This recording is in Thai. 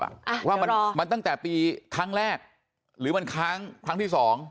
เดี๋ยวรอมันตั้งแต่ปีครั้งแรกหรือมันครั้งที่สอง